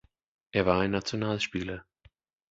Er war ein Nationalspieler.